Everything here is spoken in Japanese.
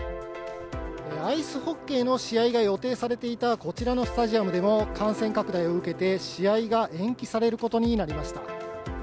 アイスホッケーの試合が予定されていたこちらのスタジアムでも、感染拡大を受けて試合が延期されることになりました。